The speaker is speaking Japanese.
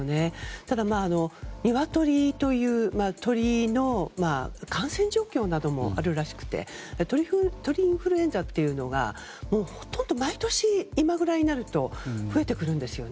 ただ、ニワトリという鶏の感染状況などもあるらしくて鳥インフルエンザというのがほとんど毎年いまぐらいになると増えてくるんですよね。